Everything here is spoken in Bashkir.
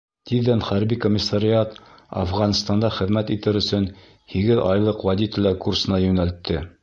Тиҙҙән хәрби комиссариат Афғанстанда хеҙмәт итер өсөн һигеҙ айлыҡ водителдәр курсына йүнәлтте.